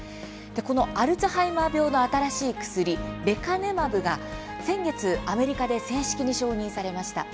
このアルツハイマー病の新しい薬、レカネマブが、先月アメリカで正式に承認されました。